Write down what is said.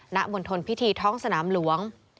ณบนทนพิธีท้องสนามหลวง